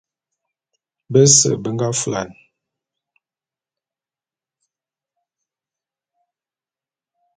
Bese be nga fulan.